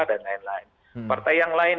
dan lain lain partai yang lain